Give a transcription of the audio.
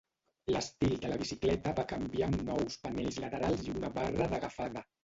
L"estil de la bicicleta va canviar amb nous panells laterals i una barra d'agafada.